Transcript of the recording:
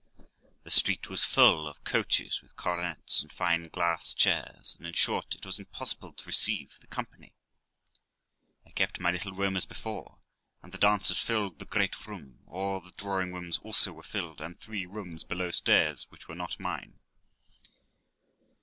The street was full of coaches with coronets, and fine glass chairs, and, in short, it was impossible to receive the company. I kept my little room as before, and the dancers filled the great room; all the drawing rooms also were filled, and three rooms below stairs, which were not mine.